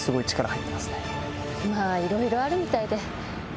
まぁいろいろあるみたいで。